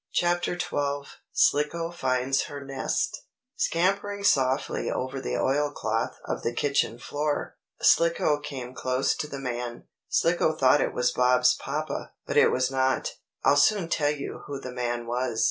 CHAPTER XII SLICKO FINDS HER NEST Scampering softly over the oilcloth of the kitchen floor, Slicko came close to the man. Slicko thought it was Bob's papa, but it was not. I'll soon tell you who the man was.